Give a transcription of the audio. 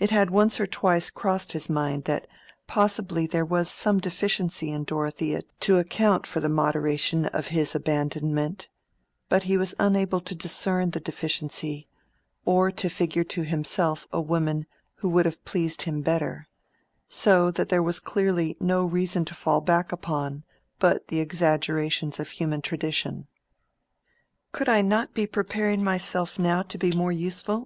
It had once or twice crossed his mind that possibly there was some deficiency in Dorothea to account for the moderation of his abandonment; but he was unable to discern the deficiency, or to figure to himself a woman who would have pleased him better; so that there was clearly no reason to fall back upon but the exaggerations of human tradition. "Could I not be preparing myself now to be more useful?"